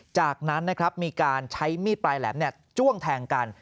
จากนั้นนะครับมีการใช้มีดปลายแหลมจ้วงแทงกัน